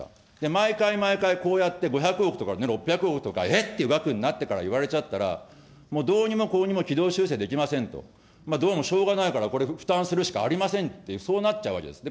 毎回毎回こうやって５００億とか６００億とか、えっていう額になってから言われちゃったら、もうどうにもこうにも軌道修正できませんと、どうもしょうがないから負担するしかありませんって、そうなっちゃうわけですよ。